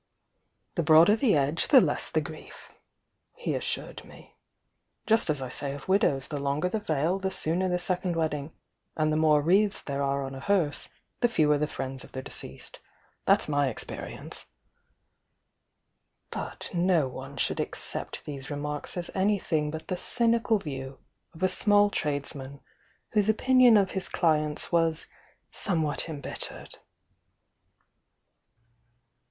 "The broader the edge, the less the grief," he as sured me. "Just as I say of widows, the longer the ^' fK ^.f""^"" ^^^^°"^ wedding, and the more wreaths there are on a hearse, the fewer the friends of Oie deceased. That's my experience." But no one should accept these remarks as any thing but the cynical view of a small tradesman whose opinion of his cUents was somewhat embit tercel.